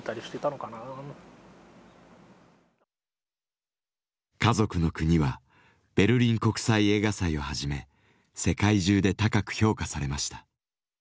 「かぞくのくに」はベルリン国際映画祭をはじめ世界中で高く評価されました。